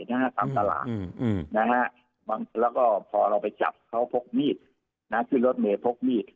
ตามตลาดบางแล้วก็พอเราไปจับเขาพกมีดขึ้นรถเมย์พกมีด